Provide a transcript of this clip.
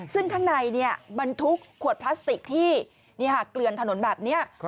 ซึ่งข้างในบรรทุกขวดพลาสติกที่เกลือนถนนแบบนี้